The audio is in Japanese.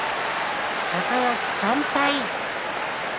高安、３敗。